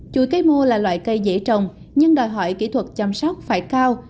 chuối cấy mô là loại cây dễ trồng nhưng đòi hỏi kỹ thuật chăm sóc phải cao